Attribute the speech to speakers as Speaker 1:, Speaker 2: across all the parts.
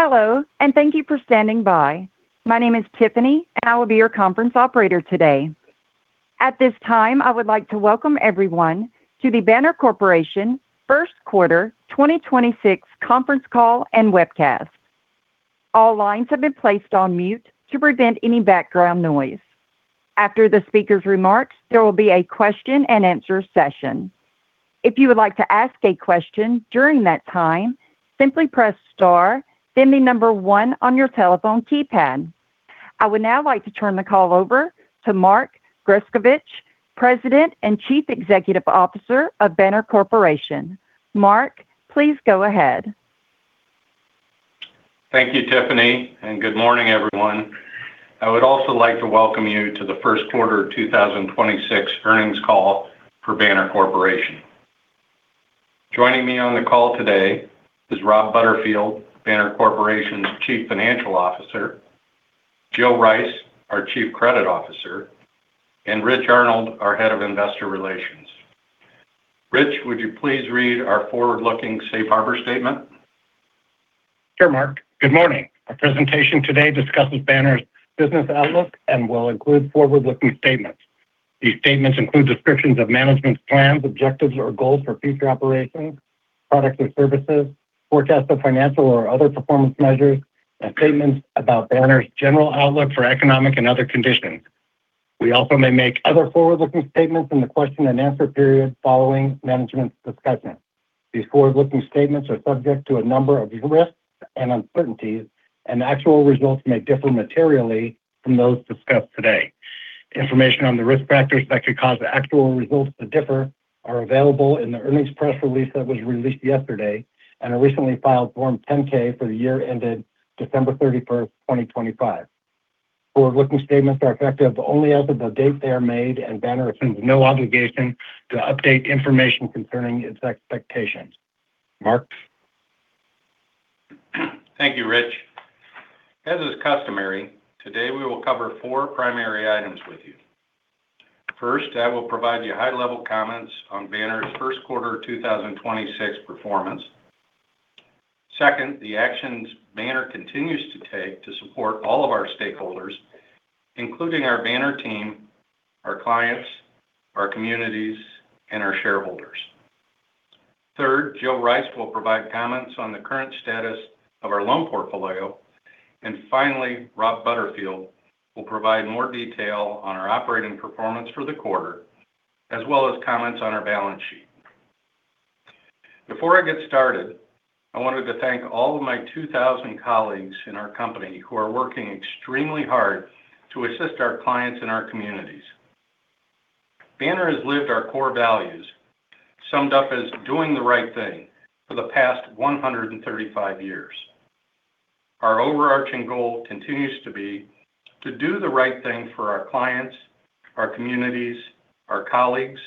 Speaker 1: Hello, and thank you for standing by. My name is Tiffany, and I will be your conference operator today. At this time, I would like to welcome everyone to the Banner Corporation First Quarter 2026 Conference Call and Webcast. All lines have been placed on mute to prevent any background noise. After the speaker's remarks, there will be a question and answer session. If you would like to ask a question during that time, simply press star, then the number one on your telephone keypad. I would now like to turn the call over to Mark Grescovich, President and Chief Executive Officer of Banner Corporation. Mark, please go ahead.
Speaker 2: Thank you, Tiffany, and good morning everyone. I would also like to welcome you to the first quarter 2026 earnings call for Banner Corporation. Joining me on the call today is Rob Butterfield, Banner Corporation's Chief Financial Officer, Jill Rice, our Chief Credit Officer, and Rich Arnold, our Head of Investor Relations. Rich, would you please read our forward-looking safe harbor statement?
Speaker 3: Sure Mark. Good morning. Our presentation today discusses Banner's business outlook and will include forward-looking statements. These statements include descriptions of management's plans, objectives, or goals for future operations, products or services, forecasts of financial or other performance measures, and statements about Banner's general outlook for economic and other conditions. We also may make other forward-looking statements in the question and answer period following management's discussion. These forward-looking statements are subject to a number of risks and uncertainties, and actual results may differ materially from those discussed today. Information on the risk factors that could cause actual results to differ are available in the earnings press release that was released yesterday and a recently filed Form 10-K for the year ended December 31st, 2025. Forward-looking statements are effective only as of the date they are made, and Banner assumes no obligation to update information concerning its expectations. Mark?
Speaker 2: Thank you, Rich. As is customary, today we will cover four primary items with you. First, I will provide you high level comments on Banner's first quarter 2026 performance. Second, the actions Banner continues to take to support all of our stakeholders, including our Banner team, our clients, our communities, and our shareholders. Third, Jill Rice will provide comments on the current status of our loan portfolio. And finally, Rob Butterfield will provide more detail on our operating performance for the quarter, as well as comments on our balance sheet. Before I get started, I wanted to thank all of my 2,000 colleagues in our company who are working extremely hard to assist our clients and our communities. Banner has lived our core values, summed up as doing the right thing, for the past 135 years. Our overarching goal continues to be to do the right thing for our clients, our communities, our colleagues,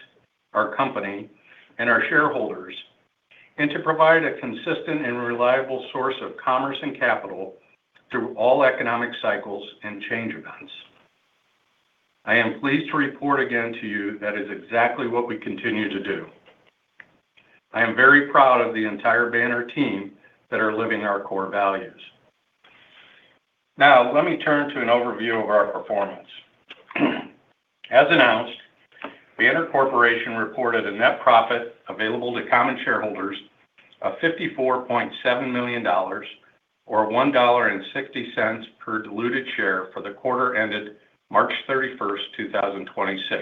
Speaker 2: our company and our shareholders, and to provide a consistent and reliable source of commerce and capital through all economic cycles and change events. I am pleased to report again to you that is exactly what we continue to do. I am very proud of the entire Banner team that are living our core values. Now, let me turn to an overview of our performance. As announced, Banner Corporation reported a net profit available to common shareholders of $54.7 million, or $1.60 per diluted share for the quarter ended March 31st, 2026.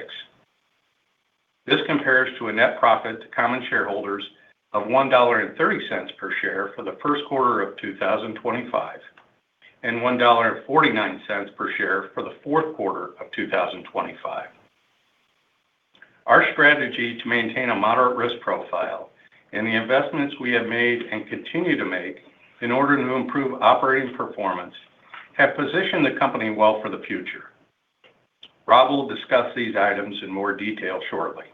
Speaker 2: This compares to a net profit to common shareholders of $1.30 per share for the first quarter of 2025, and $1.49 per share for the fourth quarter of 2025. Our strategy to maintain a moderate risk profile and the investments we have made and continue to make in order to improve operating performance have positioned the company well for the future. Rob will discuss these items in more detail shortly.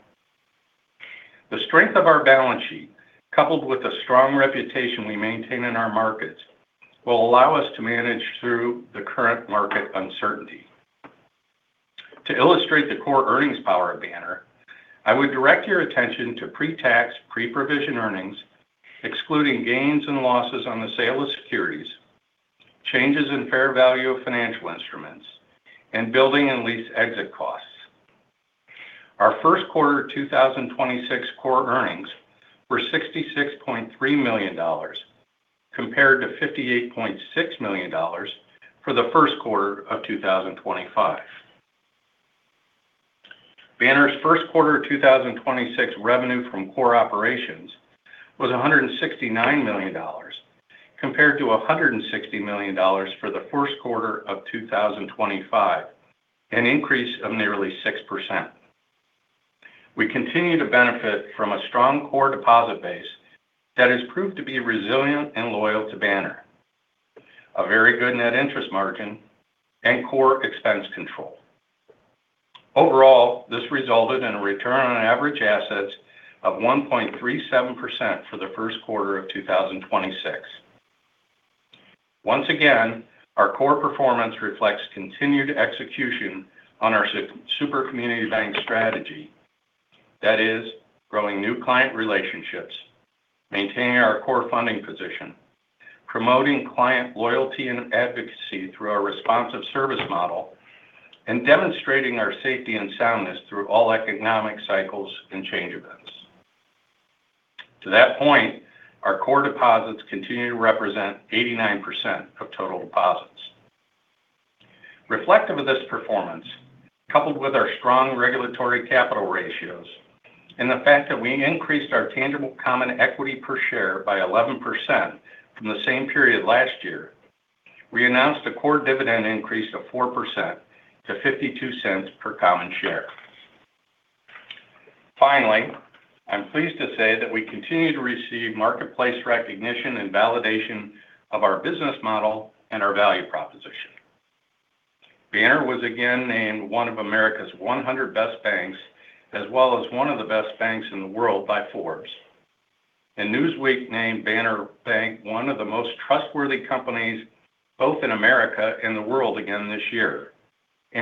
Speaker 2: The strength of our balance sheet, coupled with the strong reputation we maintain in our markets, will allow us to manage through the current market uncertainty. To illustrate the core earnings power of Banner, I would direct your attention to pre-tax, pre-provision earnings, excluding gains and losses on the sale of securities, changes in fair value of financial instruments, and building and lease exit costs. Our first quarter 2026 core earnings were $66.3 million, compared to $58.6 million for the first quarter of 2025. Banner's first quarter 2026 revenue from core operations was $169 million, compared to $160 million for the first quarter of 2025, an increase of nearly 6%. We continue to benefit from a strong core deposit base that has proved to be resilient and loyal to Banner, a very good net interest margin, and core expense control. Overall, this resulted in a return on average assets of 1.37% for the first quarter of 2026. Once again, our core performance reflects continued execution on our super community bank strategy. That is growing new client relationships, maintaining our core funding position, promoting client loyalty and advocacy through our responsive service model, and demonstrating our safety and soundness through all economic cycles and change events. To that point, our core deposits continue to represent 89% of total deposits. Reflective of this performance, coupled with our strong regulatory capital ratios and the fact that we increased our tangible common equity per share by 11% from the same period last year, we announced a core dividend increase of 4% to $0.52 per common share. Finally, I'm pleased to say that we continue to receive marketplace recognition and validation of our business model and our value proposition. Banner was again named one of America's 100 best banks, as well as one of the best banks in the world by Forbes. Newsweek named Banner Bank one of the most trustworthy companies both in America and the world again this year.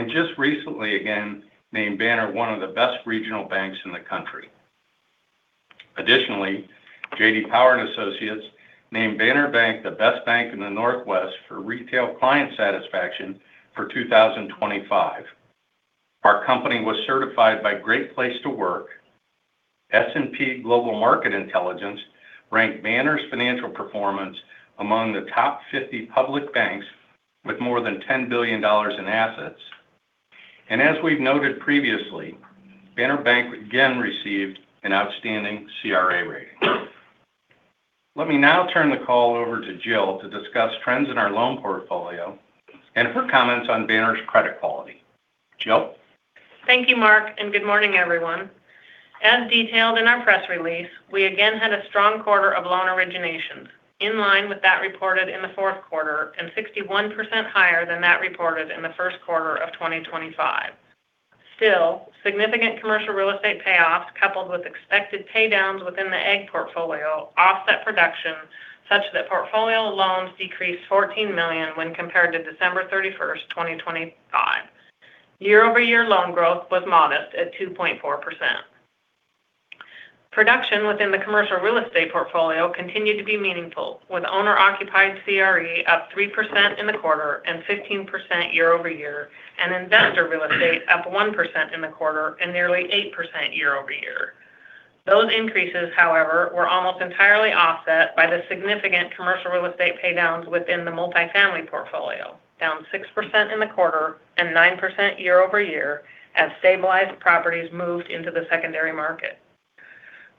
Speaker 2: Just recently, again named Banner one of the best regional banks in the country. Additionally, J.D. Power and Associates named Banner Bank the best bank in the Northwest for retail client satisfaction for 2025. Our company was certified by Great Place to Work. S&P Global Market Intelligence ranked Banner's financial performance among the top 50 public banks with more than $10 billion in assets. As we've noted previously, Banner Bank again received an outstanding CRA rating. Let me now turn the call over to Jill to discuss trends in our loan portfolio and her comments on Banner's credit quality. Jill?
Speaker 4: Thank you, Mark, and good morning, everyone. As detailed in our press release, we again had a strong quarter of loan originations in line with that reported in the fourth quarter and 61% higher than that reported in the first quarter of 2025. Still, significant commercial real estate payoffs coupled with expected paydowns within the ag portfolio offset production such that portfolio loans decreased $14 million when compared to December 31st, 2025. Year-over-year loan growth was modest at 2.4%. Production within the commercial real estate portfolio continued to be meaningful, with owner-occupied CRE up 3% in the quarter and 15% year-over-year, and investor real estate up 1% in the quarter and nearly 8% year-over-year. Those increases, however, were almost entirely offset by the significant commercial real estate paydowns within the multifamily portfolio, down 6% in the quarter and 9% year-over-year as stabilized properties moved into the secondary market.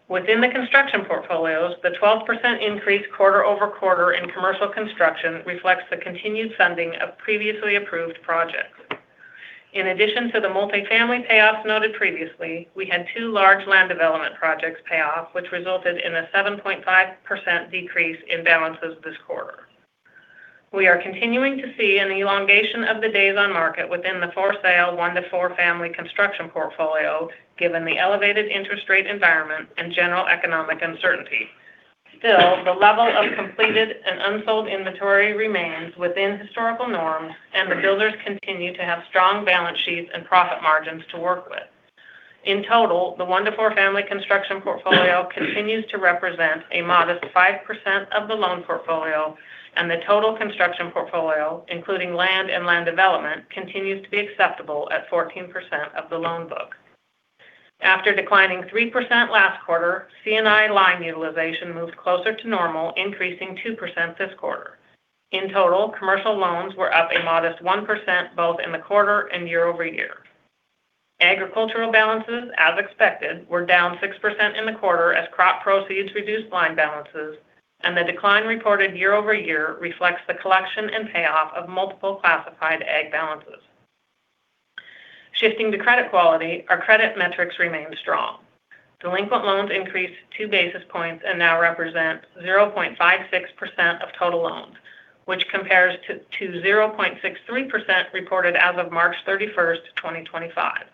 Speaker 4: Within the construction portfolios, the 12% increase quarter-over-quarter in commercial construction reflects the continued funding of previously approved projects. In addition to the multifamily payoffs noted previously, we had two large land development projects pay off, which resulted in a 7.5% decrease in balances this quarter. We are continuing to see an elongation of the days on market within the for sale one to four family construction portfolio, given the elevated interest rate environment and general economic uncertainty. Still, the level of completed and unsold inventory remains within historical norms, and the builders continue to have strong balance sheets and profit margins to work with. In total, the one to four family construction portfolio continues to represent a modest 5% of the loan portfolio, and the total construction portfolio, including land and land development, continues to be acceptable at 14% of the loan book. After declining 3% last quarter, C&I line utilization moved closer to normal, increasing 2% this quarter. In total, commercial loans were up a modest 1% both in the quarter and year-over-year. Agricultural balances, as expected, were down 6% in the quarter as crop proceeds reduced line balances, and the decline reported year-over-year reflects the collection and payoff of multiple classified ag balances. Shifting to credit quality, our credit metrics remain strong. Delinquent loans increased two basis points and now represent 0.56% of total loans, which compares to 0.63% reported as of March 31st, 2025.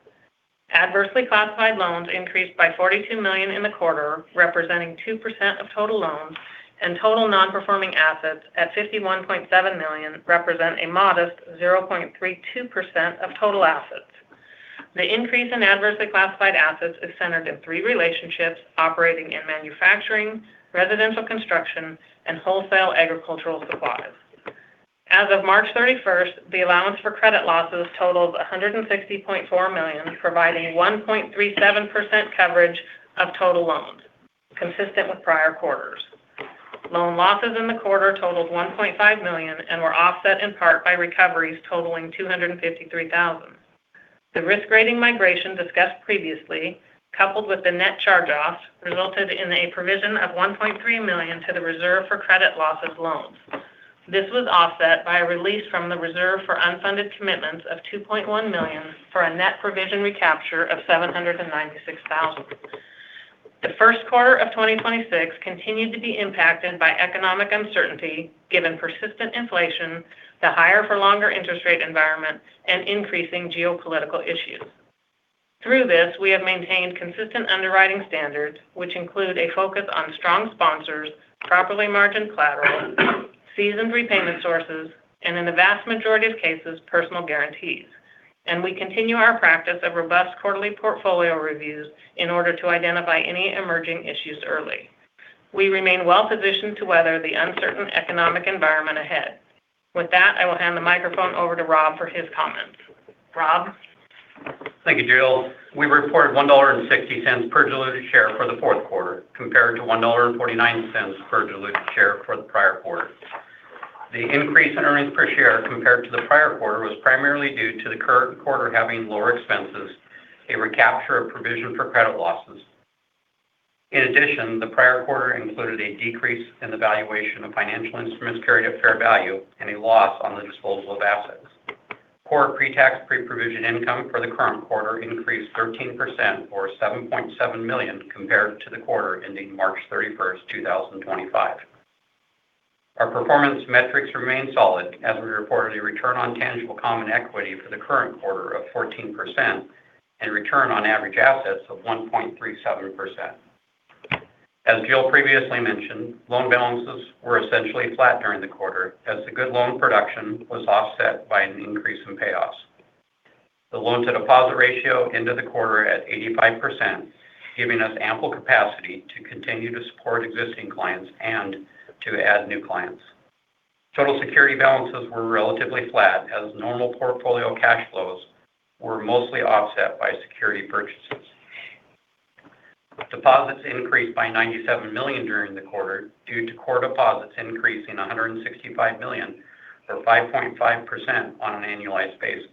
Speaker 4: Adversely classified loans increased by $42 million in the quarter, representing 2% of total loans, and total non-performing assets at $51.7 million represent a modest 0.32% of total assets. The increase in adversely classified assets is centered in three relationships operating in manufacturing, residential construction, and wholesale agricultural supplies. As of March 31st, the allowance for credit losses totaled $160.4 million, providing 1.37% coverage of total loans, consistent with prior quarters. Loan losses in the quarter totaled $1.5 million and were offset in part by recoveries totaling $253,000. The risk rating migration discussed previously, coupled with the net charge-offs, resulted in a provision of $1.3 million to the reserve for credit losses loans. This was offset by a release from the reserve for unfunded commitments of $2.1 million for a net provision recapture of $796,000. The first quarter of 2026 continued to be impacted by economic uncertainty given persistent inflation, the higher for longer interest rate environment, and increasing geopolitical issues. Through this, we have maintained consistent underwriting standards, which include a focus on strong sponsors, properly margined collateral. Seasoned repayment sources, and in the vast majority of cases, personal guarantees. We continue our practice of robust quarterly portfolio reviews in order to identify any emerging issues early. We remain well-positioned to weather the uncertain economic environment ahead. With that, I will hand the microphone over to Rob for his comments. Rob?
Speaker 5: Thank you, Jill. We reported $1.60 per diluted share for the fourth quarter, compared to $1.49 per diluted share for the prior quarter. The increase in earnings per share compared to the prior quarter was primarily due to the current quarter having lower expenses, a recapture of provision for credit losses. In addition, the prior quarter included a decrease in the valuation of financial instruments carried at fair value and a loss on the disposal of assets. Core pre-tax, pre-provision income for the current quarter increased 13%, or $7.7 million compared to the quarter ending March 31st, 2025. Our performance metrics remain solid as we reported a return on tangible common equity for the current quarter of 14% and return on average assets of 1.37%. As Jill previously mentioned, loan balances were essentially flat during the quarter as the good loan production was offset by an increase in payoffs. The loan-to-deposit ratio ended the quarter at 85%, giving us ample capacity to continue to support existing clients and to add new clients. Total security balances were relatively flat as normal portfolio cash flows were mostly offset by security purchases. Deposits increased by $97 million during the quarter due to core deposits increasing $165 million or 5.5% on an annualized basis.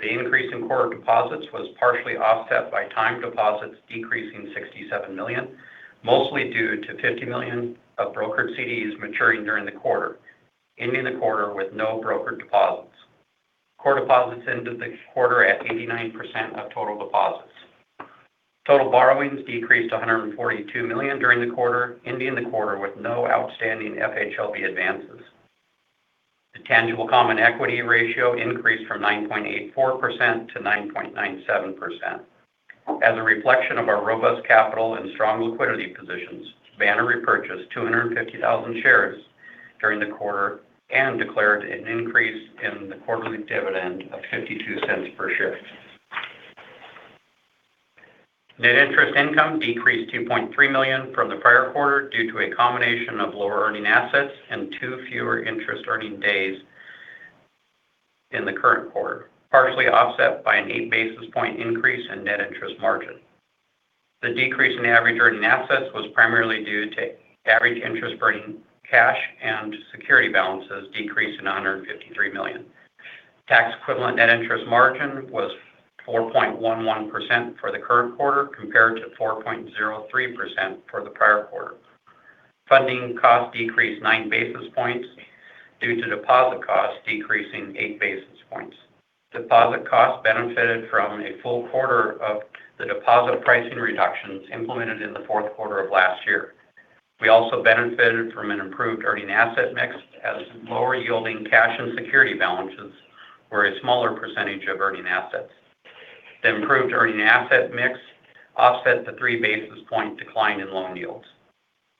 Speaker 5: The increase in core deposits was partially offset by time deposits decreasing $67 million, mostly due to $50 million of brokered CDs maturing during the quarter, ending the quarter with no brokered deposits. Core deposits ended the quarter at 89% of total deposits. Total borrowings decreased to $142 million during the quarter, ending the quarter with no outstanding FHLB advances. The tangible common equity ratio increased from 9.84%-9.97%. As a reflection of our robust capital and strong liquidity positions, Banner repurchased 250,000 shares during the quarter and declared an increase in the quarterly dividend of $0.52 per share. Net interest income decreased $2.3 million from the prior quarter due to a combination of lower earning assets and two fewer interest-earning days in the current quarter, partially offset by an 8 basis points increase in net interest margin. The decrease in average earning assets was primarily due to average interest-earning cash and security balances decreasing $153 million. Tax-equivalent net interest margin was 4.11% for the current quarter, compared to 4.03% for the prior quarter. Funding cost decreased 9 basis points due to deposit costs decreasing 8 basis points. Deposit costs benefited from a full quarter of the deposit pricing reductions implemented in the fourth quarter of last year. We also benefited from an improved earning asset mix as lower yielding cash and security balances were a smaller percentage of earning assets. The improved earning asset mix offset the three basis points decline in loan yields.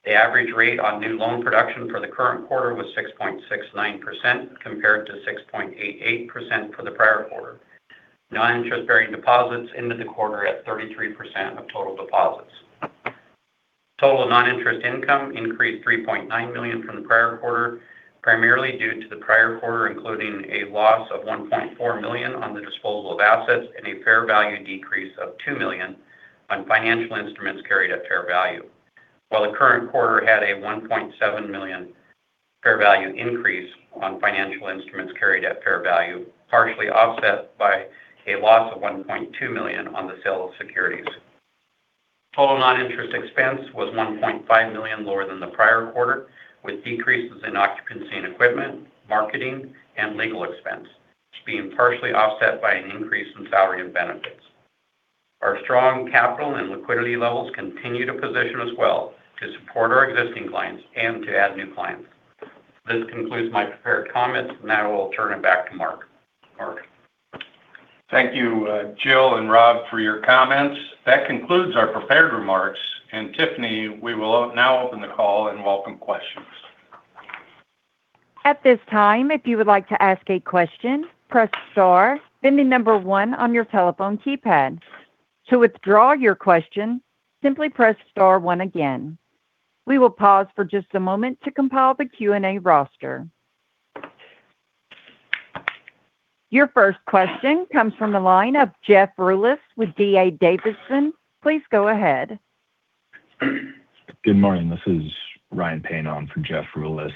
Speaker 5: The average rate on new loan production for the current quarter was 6.69%, compared to 6.88% for the prior quarter. Non-interest bearing deposits ended the quarter at 33% of total deposits. Total non-interest income increased $3.9 million from the prior quarter, primarily due to the prior quarter including a loss of $1.4 million on the disposal of assets and a fair value decrease of $2 million on financial instruments carried at fair value. While the current quarter had a $1.7 million fair value increase on financial instruments carried at fair value, partially offset by a loss of $1.2 million on the sale of securities. Total non-interest expense was $1.5 million lower than the prior quarter, with decreases in occupancy and equipment, marketing, and legal expense, which being partially offset by an increase in salary and benefits. Our strong capital and liquidity levels continue to position us well to support our existing clients and to add new clients. This concludes my prepared comments. Now I will turn it back to Mark. Mark?
Speaker 2: Thank you, Jill and Rob, for your comments. That concludes our prepared remarks. Tiffany, we will now open the call and welcome questions.
Speaker 1: At this time, if you would like to ask a question, press star, then the number one on your telephone keypad. To withdraw your question, simply press star one again. We will pause for just a moment to compile the Q&A roster. Your first question comes from the line of Jeff Rulis with D.A. Davidson. Please go ahead.
Speaker 6: Good morning. This is Ryan Payne on for Jeff Rulis.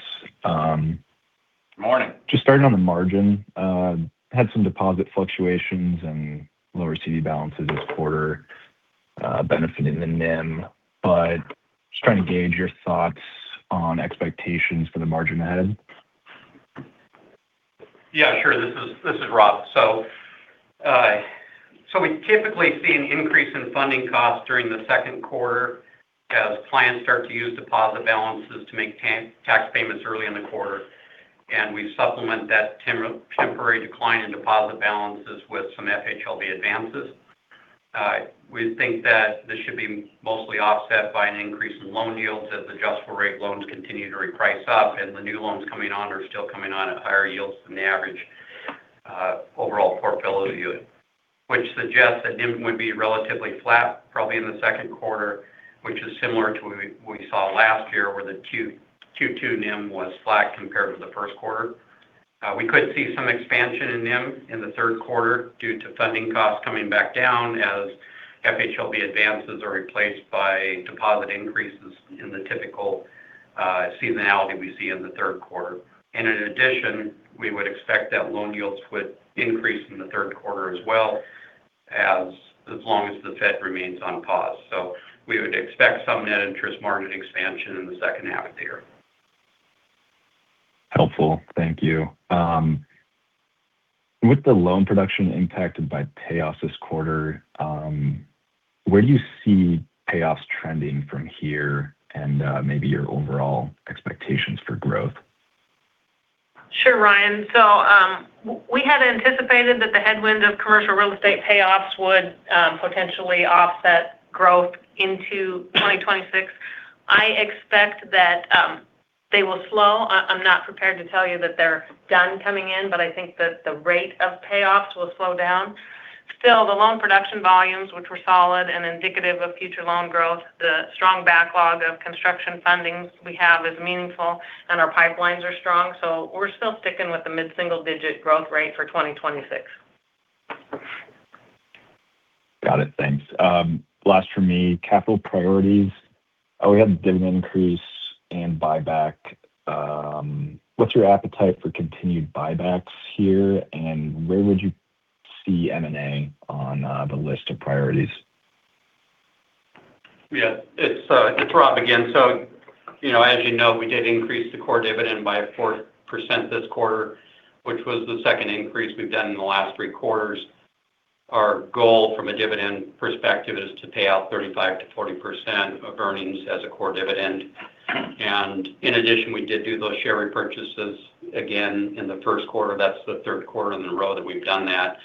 Speaker 2: Morning.
Speaker 6: Just starting on the margin. Had some deposit fluctuations and lower CD balances this quarter benefiting the NIM, just trying to gauge your thoughts on expectations for the margin ahead.
Speaker 5: Yeah, sure. This is Rob. We typically see an increase in funding costs during the second quarter as clients start to use deposit balances to make tax payments early in the quarter, and we supplement that temporary decline in deposit balances with some FHLB advances. We think that this should be mostly offset by an increase in loan yields as adjustable rate loans continue to reprice up and the new loans coming on are still coming on at higher yields than the average overall portfolio yield. Which suggests that NIM would be relatively flat probably in the second quarter, which is similar to what we saw last year where the Q2 NIM was flat compared to the first quarter. We could see some expansion in NIM in the third quarter due to funding costs coming back down as FHLB advances are replaced by deposit increases in the typical seasonality we see in the third quarter. In addition, we would expect that loan yields would increase in the third quarter as well as long as the Fed remains on pause. We would expect some net interest margin expansion in the second half of the year.
Speaker 6: Helpful. Thank you. With the loan production impacted by payoffs this quarter, where do you see payoffs trending from here and maybe your overall expectations for growth?
Speaker 4: Sure, Ryan. We had anticipated that the headwind of commercial real estate payoffs would potentially offset growth into 2026. I expect that they will slow. I'm not prepared to tell you that they're done coming in, but I think that the rate of payoffs will slow down. Still, the loan production volumes, which were solid and indicative of future loan growth, the strong backlog of construction fundings we have is meaningful and our pipelines are strong. We're still sticking with the mid-single-digit growth rate for 2026.
Speaker 6: Got it. Thanks. Last from me, capital priorities. We had the dividend increase and buyback. What's your appetite for continued buybacks here, and where would you see M&A on the list of priorities?
Speaker 5: Yeah. It's Rob again. As you know, we did increase the core dividend by 4% this quarter, which was the second increase we've done in the last three quarters. Our goal from a dividend perspective is to pay out 35%-40% of earnings as a core dividend. In addition, we did do those share repurchases again in the first quarter. That's the third quarter in a row that we've done that.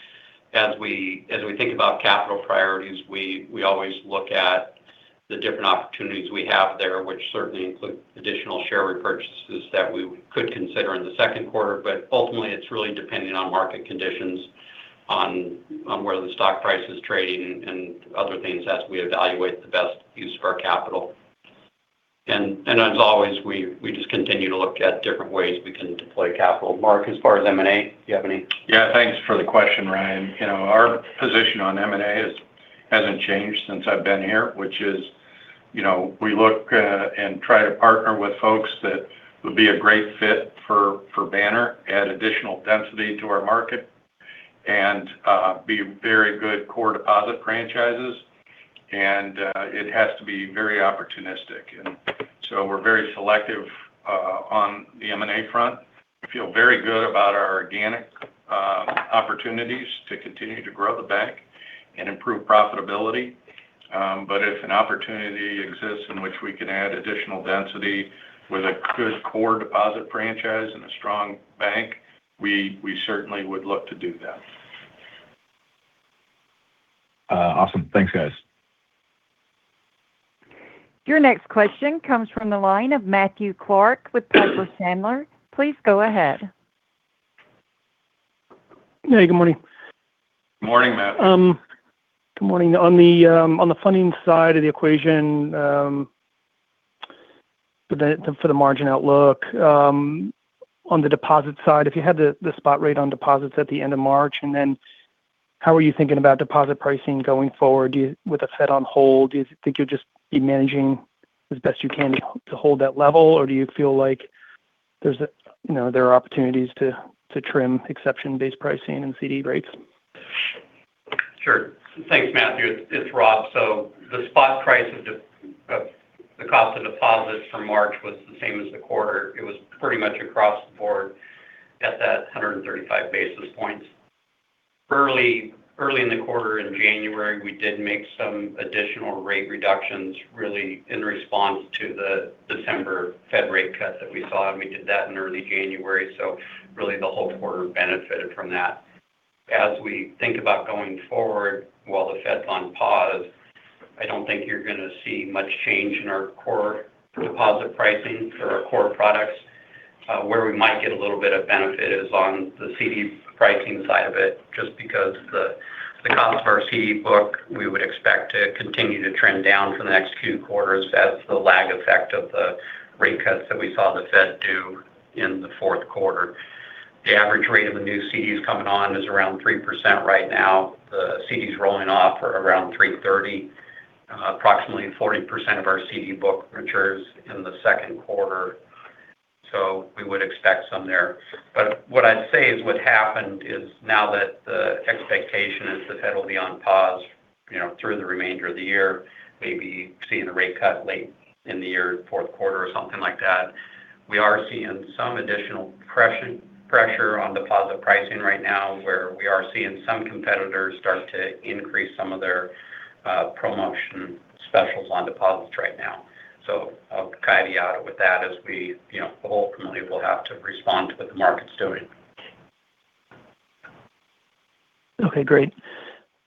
Speaker 5: As we think about capital priorities, we always look at the different opportunities we have there, which certainly include additional share repurchases that we could consider in the second quarter. Ultimately, it's really dependent on market conditions, on where the stock price is trading and other things as we evaluate the best use of our capital. As always, we just continue to look at different ways we can deploy capital. Mark, as far as M&A, do you have any?
Speaker 2: Yeah. Thanks for the question, Ryan. Our position on M&A hasn't changed since I've been here, which is we look and try to partner with folks that would be a great fit for Banner, add additional density to our market, and be very good core deposit franchises. It has to be very opportunistic. We're very selective on the M&A front. We feel very good about our organic opportunities to continue to grow the bank and improve profitability. If an opportunity exists in which we can add additional density with a good core deposit franchise and a strong bank, we certainly would look to do that.
Speaker 6: Awesome. Thanks, guys.
Speaker 1: Your next question comes from the line of Matthew Clark with Piper Sandler. Please go ahead.
Speaker 7: Hey, good morning.
Speaker 5: Morning, Matt.
Speaker 7: Good morning. On the funding side of the equation for the margin outlook on the deposit side, if you had the spot rate on deposits at the end of March, and then how are you thinking about deposit pricing going forward with the Fed on hold? Do you think you'll just be managing as best you can to hold that level, or do you feel like there are opportunities to trim exception-based pricing and CD rates?
Speaker 5: Sure. Thanks, Matthew. It's Rob. The spot price of the cost of deposits for March was the same as the quarter. It was pretty much across the board at that 135 basis points. Early in the quarter in January, we did make some additional rate reductions really in response to the December Fed rate cut that we saw, and we did that in early January, so really the whole quarter benefited from that. As we think about going forward while the Fed's on pause, I don't think you're going to see much change in our core deposit pricing for our core products. Where we might get a little bit of benefit is on the CD pricing side of it, just because the cost of our CD book, we would expect to continue to trend down for the next few quarters as the lag effect of the rate cuts that we saw the Fed do in the fourth quarter. The average rate of the new CDs coming on is around 3% right now. The CDs rolling off are around 3.30%. Approximately 40% of our CD book matures in the second quarter. We would expect some there. What I'd say is what happened is now that the expectation is the Fed will be on pause through the remainder of the year, maybe seeing a rate cut late in the year, fourth quarter or something like that. We are seeing some additional pressure on deposit pricing right now where we are seeing some competitors start to increase some of their promotion specials on deposits right now. I'll caveat it with that as we ultimately will have to respond to what the market's doing.
Speaker 7: Okay, great.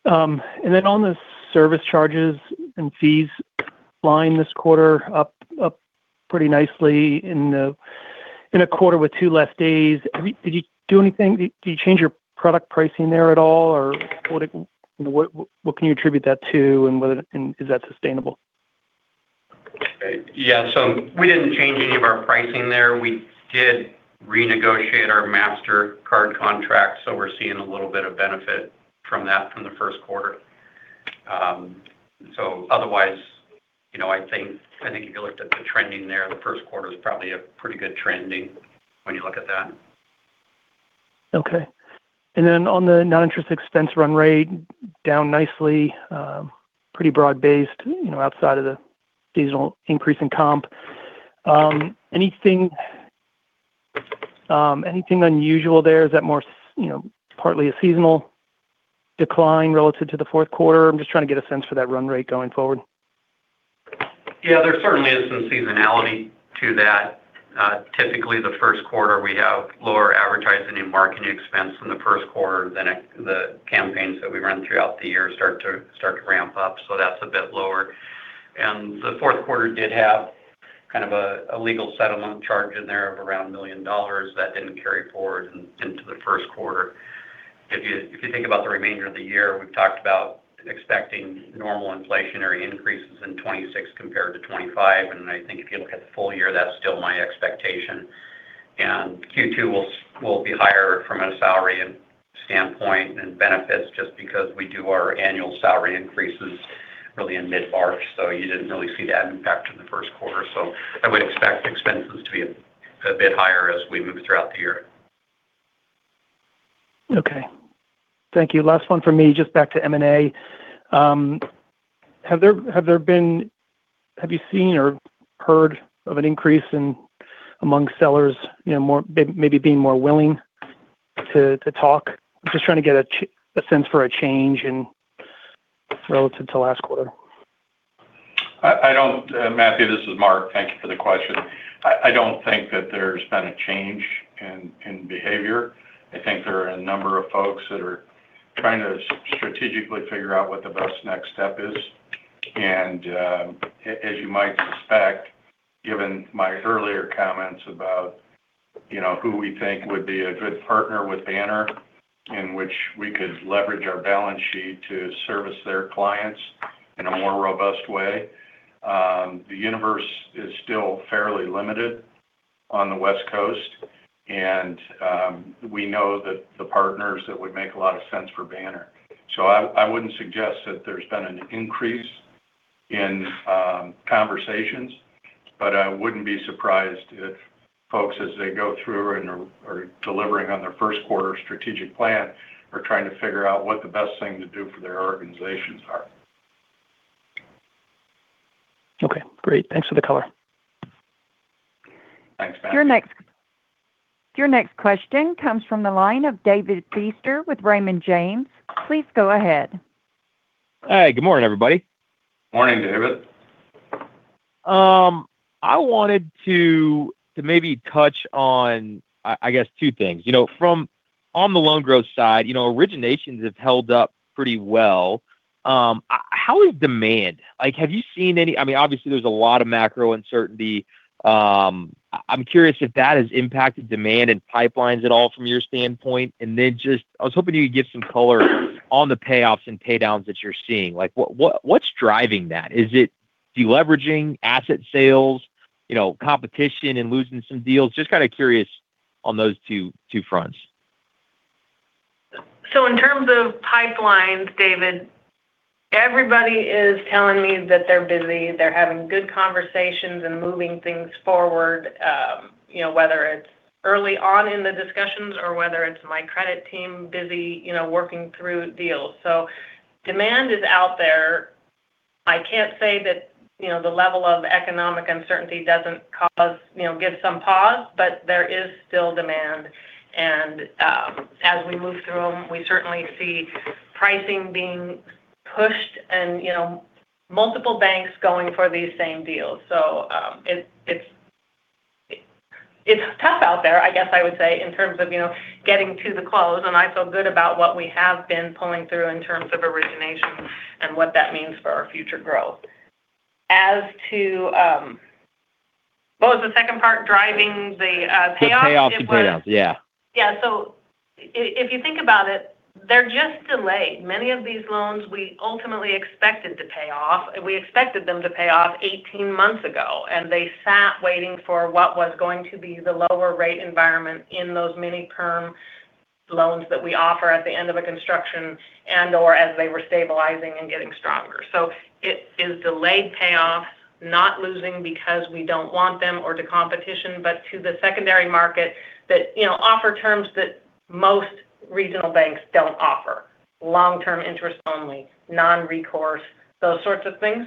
Speaker 7: On the service charges and fees line this quarter up pretty nicely in a quarter with two less days. Did you do anything? Did you change your product pricing there at all? Or what can you attribute that to, and is that sustainable?
Speaker 5: Yeah. We didn't change any of our pricing there. We did renegotiate our Mastercard contract, so we're seeing a little bit of benefit from that from the first quarter. Otherwise, I think if you looked at the trending there, the first quarter is probably a pretty good trending when you look at that.
Speaker 7: Okay. On the non-interest expense run rate, down nicely, pretty broad-based, outside of the seasonal increase in comp. Anything unusual there? Is that more partly a seasonal decline relative to the fourth quarter? I'm just trying to get a sense for that run rate going forward.
Speaker 5: Yeah, there certainly is some seasonality to that. Typically, the first quarter, we have lower advertising and marketing expense in the first quarter. The campaigns that we run throughout the year start to ramp up, so that's a bit lower. The fourth quarter did have kind of a legal settlement charge in there of around $1 million that didn't carry forward into the first quarter. If you think about the remainder of the year, we've talked about expecting normal inflationary increases in 2026 compared to 2025. I think if you look at the full year, that's still my expectation. Q2 will be higher from a salary standpoint and benefits just because we do our annual salary increases really in mid-March. So you didn't really see that impact in the first quarter. I would expect expenses to be a bit higher as we move throughout the year.
Speaker 7: Okay. Thank you. Last one from me, just back to M&A. Have you seen or heard of an increase among sellers maybe being more willing to talk? Just trying to get a sense for a change relative to last quarter.
Speaker 2: Matthew, this is Mark. Thank you for the question. I don't think that there's been a change in behavior. I think there are a number of folks that are trying to strategically figure out what the best next step is. As you might suspect, given my earlier comments about who we think would be a good partner with Banner in which we could leverage our balance sheet to service their clients in a more robust way. The universe is still fairly limited on the West Coast. We know that the partners that would make a lot of sense for Banner. I wouldn't suggest that there's been an increase in conversations, but I wouldn't be surprised if folks, as they go through and are delivering on their first quarter strategic plan, are trying to figure out what the best thing to do for their organizations are.
Speaker 7: Okay, great. Thanks for the color.
Speaker 2: Thanks, Matthew.
Speaker 1: Your next question comes from the line of David Feaster with Raymond James. Please go ahead.
Speaker 8: Hi. Good morning, everybody.
Speaker 2: Morning, David.
Speaker 8: I wanted to maybe touch on, I guess two things. From the loan growth side, originations have held up pretty well. How is demand? Have you seen any, obviously there's a lot of macro uncertainty. I'm curious if that has impacted demand and pipelines at all from your standpoint. I was hoping you could give some color on the payoffs and pay downs that you're seeing. What's driving that? Is it de-leveraging asset sales, competition and losing some deals? Just kind of curious on those two fronts.
Speaker 4: In terms of pipelines, David, everybody is telling me that they're busy, they're having good conversations and moving things forward, whether it's early on in the discussions or whether it's my credit team busy working through deals. Demand is out there. I can't say that the level of economic uncertainty doesn't give some pause, but there is still demand. As we move through them, we certainly see pricing being pushed and multiple banks going for these same deals. It's tough out there, I guess I would say, in terms of getting to the close. I feel good about what we have been pulling through in terms of originations and what that means for our future growth. As to what was the second part? Driving the payoff?
Speaker 8: The payoffs and pay downs, yeah.
Speaker 4: Yeah. If you think about it, they're just delayed. Many of these loans we ultimately expected to pay off. We expected them to pay off 18 months ago. They sat waiting for what was going to be the lower rate environment in those mini-perm loans that we offer at the end of a construction and, or as they were stabilizing and getting stronger. It is delayed payoff, not losing because we don't want them or to competition, but to the secondary market that offer terms that most regional banks don't offer. Long-term interest only, non-recourse, those sorts of things.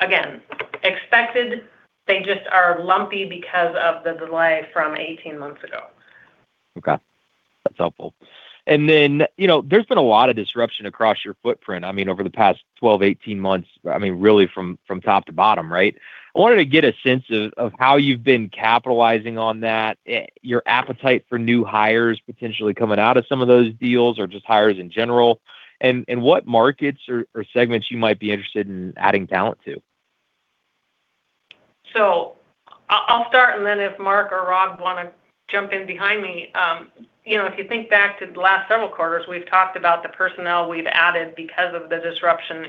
Speaker 4: Again, expected. They just are lumpy because of the delay from 18 months ago.
Speaker 8: Okay. That's helpful. There's been a lot of disruption across your footprint over the past 12-18 months, really from top to bottom, right? I wanted to get a sense of how you've been capitalizing on that. Your appetite for new hires potentially coming out of some of those deals or just hires in general, and what markets or segments you might be interested in adding talent to.
Speaker 4: I'll start and then if Mark or Rob want to jump in behind me. If you think back to the last several quarters, we've talked about the personnel we've added because of the disruption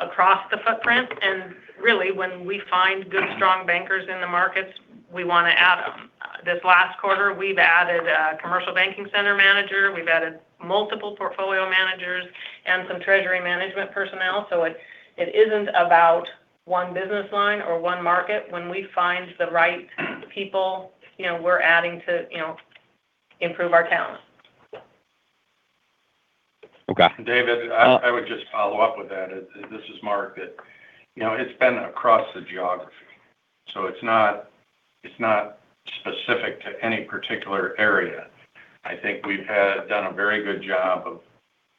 Speaker 4: across the footprint. Really, when we find good, strong bankers in the markets, we want to add them. This last quarter, we've added a commercial banking center manager. We've added multiple portfolio managers and some treasury management personnel. It isn't about one business line or one market. When we find the right people, we're adding to improve our talent.
Speaker 8: Okay.
Speaker 2: David, I would just follow up with that. This is Mark. That it's been across the geography, so it's not specific to any particular area. I think we've done a very good job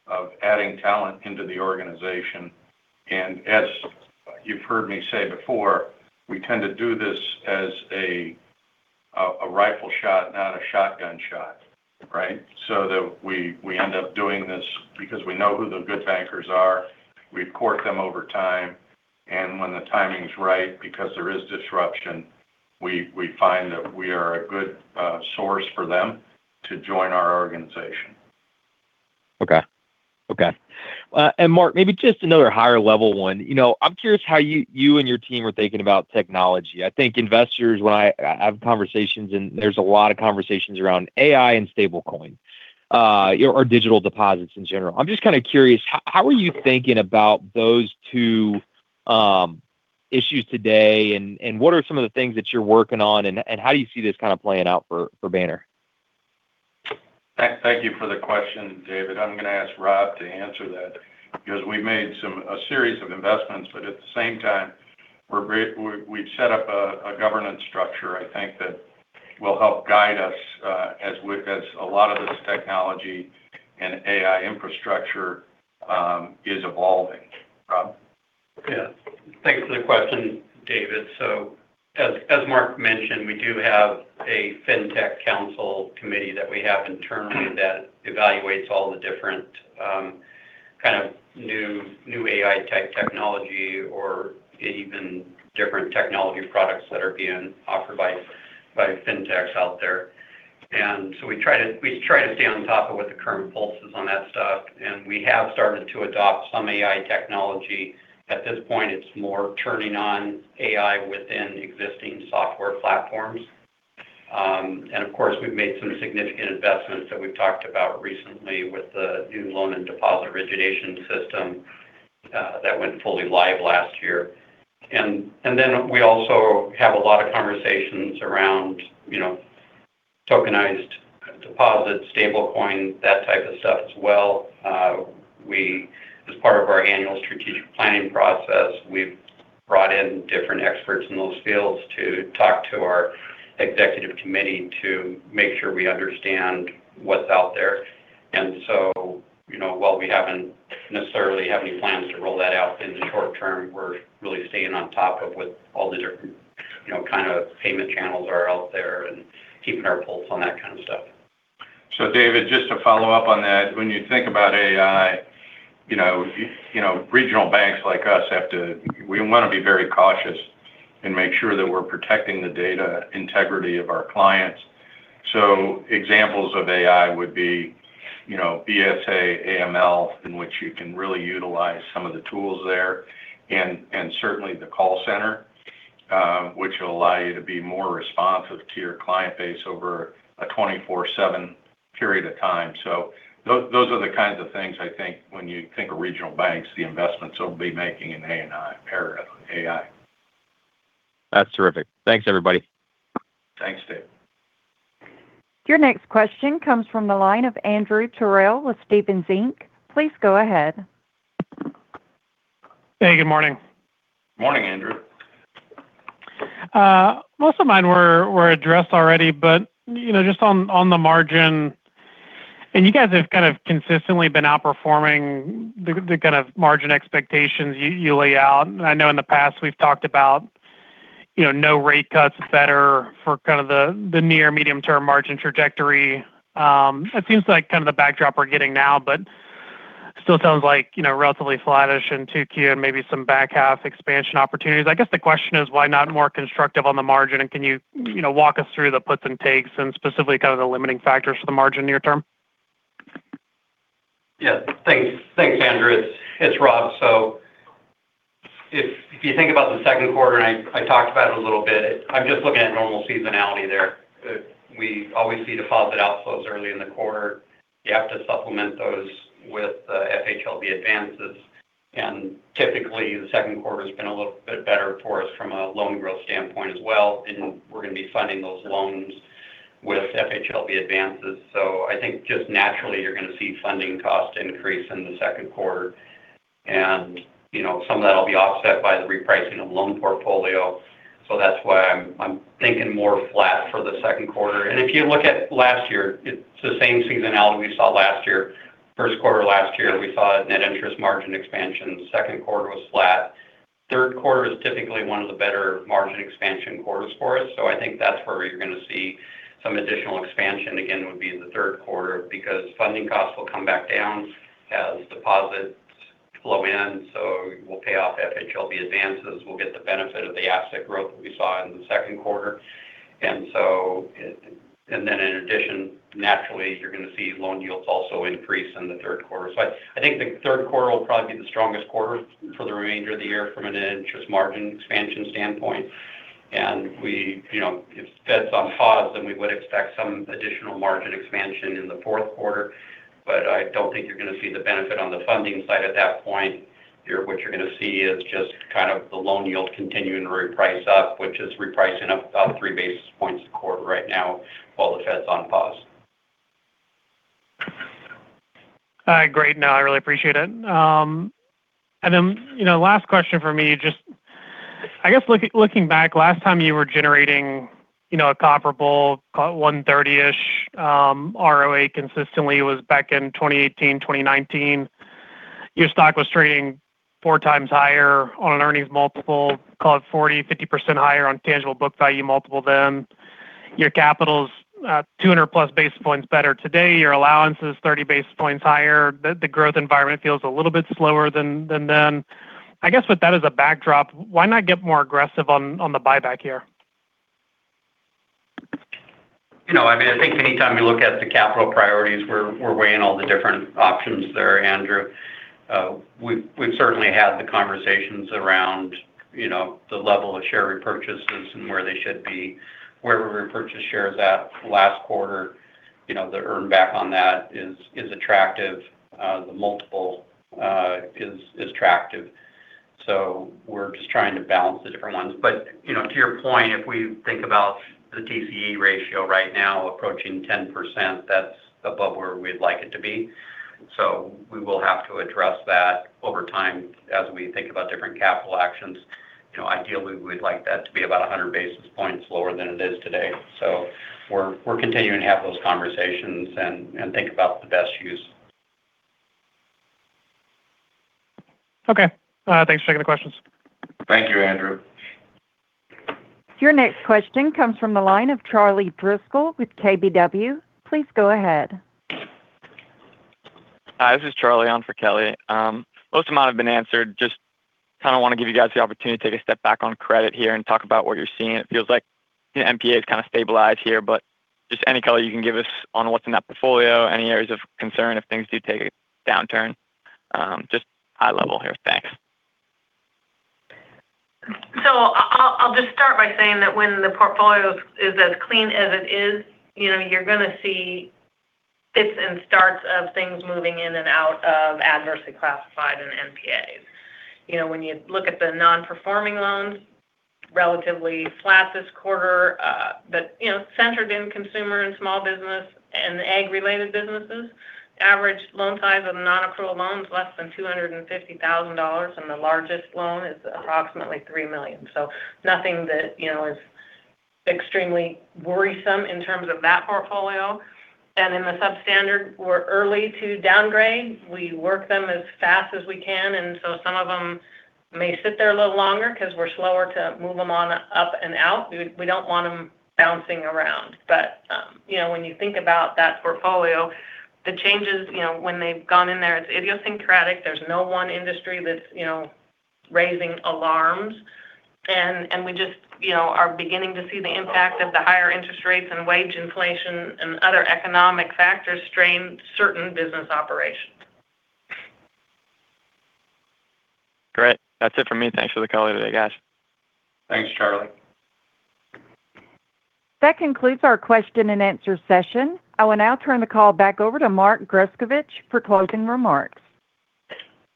Speaker 2: of adding talent into the organization. As you've heard me say before, we tend to do this as a rifle shot, not a shotgun shot, right? That we end up doing this because we know who the good bankers are. We court them over time, and when the timing's right, because there is disruption, we find that we are a good source for them to join our organization.
Speaker 8: Okay. Mark, maybe just another higher level one. I'm curious how you and your team are thinking about technology. I think investors, when I have conversations and there's a lot of conversations around AI and stablecoin, or digital deposits in general. I'm just kind of curious, how are you thinking about those two issues today and what are some of the things that you're working on and how do you see this kind of playing out for Banner?
Speaker 2: Thank you for the question, David. I'm going to ask Rob to answer that because we've made a series of investments, but at the same time, we've set up a governance structure, I think, that will help guide us as a lot of this technology and AI infrastructure is evolving. Rob?
Speaker 5: Yeah. Thanks for the question, David. As Mark mentioned, we do have a Fintech council committee that we have internally that evaluates all the different kind of new AI type technology or even different technology products that are being offered by Fintechs out there. We try to stay on top of what the current pulse is on that stuff. We have started to adopt some AI technology. At this point, it's more turning on AI within existing software platforms. Of course, we've made some significant investments that we've talked about recently with the new loan and deposit origination system that went fully live last year. We also have a lot of conversations around tokenized deposits, stablecoin, that type of stuff as well. As part of our annual strategic planning process, we've brought in different experts in those fields to talk to our executive committee to make sure we understand what's out there. While we haven't necessarily had any plans to roll that out in the short term, we're really staying on top of what all the different kind of payment channels are out there and keeping our pulse on that kind of stuff.
Speaker 2: David, just to follow up on that. When you think about AI, regional banks like us, we want to be very cautious and make sure that we're protecting the data integrity of our clients. Examples of AI would be BSA, AML, in which you can really utilize some of the tools there. Certainly the call center which will allow you to be more responsive to your client base over a 24/7 period of time. Those are the kinds of things I think when you think of regional banks, the investments that we'll be making in AI.
Speaker 8: That's terrific. Thanks, everybody.
Speaker 2: Thanks, David.
Speaker 1: Your next question comes from the line of Andrew Terrell with Stephens Inc. Please go ahead.
Speaker 9: Hey, good morning.
Speaker 2: Morning, Andrew.
Speaker 9: Most of mine were addressed already, but just on the margin, and you guys have kind of consistently been outperforming the kind of margin expectations you lay out. I know in the past we've talked about no rate cuts better for kind of the near medium term margin trajectory. It seems like kind of the backdrop we're getting now, but still sounds like relatively flattish in 2Q and maybe some back half expansion opportunities. I guess the question is why not more constructive on the margin and can you walk us through the puts and takes and specifically kind of the limiting factors for the margin near term?
Speaker 5: Yeah. Thanks, Andrew. It's Rob. If you think about the second quarter, and I talked about it a little bit. I'm just looking at normal seasonality there. We always see deposit outflows early in the quarter. You have to supplement those with FHLB advances. Typically, the second quarter's been a little bit better for us from a loan growth standpoint as well, and we're going to be funding those loans with FHLB advances. I think just naturally you're going to see funding cost increase in the second quarter. Some of that will be offset by the repricing of loan portfolio. That's why I'm thinking more flat for the second quarter. If you look at last year, it's the same seasonality we saw last year. First quarter last year, we saw a net interest margin expansion. Second quarter was flat. Third quarter is typically one of the better margin expansion quarters for us. I think that's where you're going to see some additional expansion, again, would be in the third quarter because funding costs will come back down as deposits flow in. We'll pay off FHLB advances. We'll get the benefit of the asset growth that we saw in the second quarter. Then in addition, naturally, you're going to see loan yields also increase in the third quarter. I think the third quarter will probably be the strongest quarter for the remainder of the year from an interest margin expansion standpoint. If Fed's on pause, then we would expect some additional margin expansion in the fourth quarter. I don't think you're going to see the benefit on the funding side at that point. What you're going to see is just the loan yield continuing to reprice up, which is repricing up about 3 basis points a quarter right now while the Fed's on pause.
Speaker 9: All right. Great. No, I really appreciate it. Last question from me. I guess looking back, last time you were generating a comparable 130-ish ROA consistently was back in 2018, 2019. Your stock was trading 4 times higher on an earnings multiple, call it 40%-50% higher on tangible book value multiple then. Your capital's 200+ basis points better today. Your allowance is 30 basis points higher. The growth environment feels a little bit slower than then. I guess with that as a backdrop, why not get more aggressive on the buyback here?
Speaker 5: I think anytime you look at the capital priorities, we're weighing all the different options there, Andrew. We've certainly had the conversations around the level of share repurchases and where they should be. Where we repurchased shares at last quarter, the earn back on that is attractive. The multiple is attractive. We're just trying to balance the different ones. To your point, if we think about the TCE ratio right now approaching 10%, that's above where we'd like it to be. We will have to address that over time as we think about different capital actions. Ideally, we'd like that to be about 100 basis points lower than it is today. We're continuing to have those conversations and think about the best use.
Speaker 9: Okay. Thanks for taking the questions.
Speaker 2: Thank you, Andrew.
Speaker 1: Your next question comes from the line of Charlie Driscoll with KBW. Please go ahead.
Speaker 10: Hi, this is Charlie on for Kelly. Most of mine have been answered. Just kind of want to give you guys the opportunity to take a step back on credit here and talk about what you're seeing. It feels like NPA has kind of stabilized here, but just any color you can give us on what's in that portfolio, any areas of concern if things do take a downturn. Just high level here. Thanks.
Speaker 4: I'll just start by saying that when the portfolio is as clean as it is, you're going to see fits and starts of things moving in and out of adversely classified and NPAs. When you look at the non-performing loans, relatively flat this quarter, but centered in consumer and small business and the ag-related businesses. Average loan size of non-accrual loans less than $250,000. The largest loan is approximately $3 million. Nothing that is extremely worrisome in terms of that portfolio. In the substandard, we're early to downgrade. We work them as fast as we can. Some of them may sit there a little longer because we're slower to move them on up and out. We don't want them bouncing around. When you think about that portfolio, the changes when they've gone in there, it's idiosyncratic. There's no one industry that's raising alarms. We just are beginning to see the impact of the higher interest rates and wage inflation and other economic factors strain certain business operations.
Speaker 10: Great. That's it for me. Thanks for the call today, guys.
Speaker 2: Thanks, Charlie.
Speaker 1: That concludes our question and answer session. I will now turn the call back over to Mark Grescovich for closing remarks.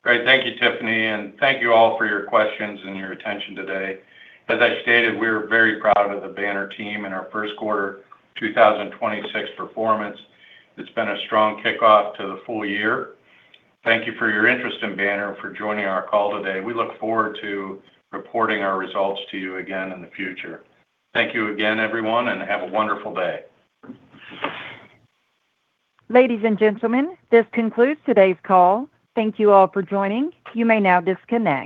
Speaker 2: Great. Thank you, Tiffany. Thank you all for your questions and your attention today. As I stated, we're very proud of the Banner team and our first quarter 2026 performance. It's been a strong kickoff to the full year. Thank you for your interest in Banner and for joining our call today. We look forward to reporting our results to you again in the future. Thank you again, everyone, and have a wonderful day.
Speaker 1: Ladies and gentlemen, this concludes today's call. Thank you all for joining. You may now disconnect.